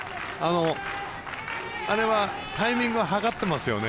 あれはタイミングは計ってますよね。